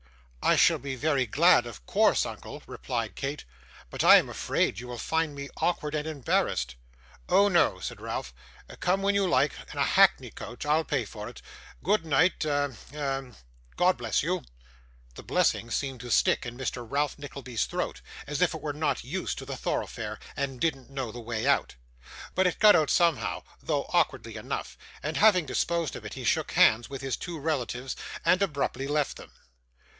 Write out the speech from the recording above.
'I shall be very glad, of course, uncle,' replied Kate; 'but I am afraid you will find me awkward and embarrassed.' 'Oh no,' said Ralph; 'come when you like, in a hackney coach I'll pay for it. Good night a a God bless you.' The blessing seemed to stick in Mr. Ralph Nickleby's throat, as if it were not used to the thoroughfare, and didn't know the way out. But it got out somehow, though awkwardly enough; and having disposed of it, he shook hands with his two relatives, and abruptly left them.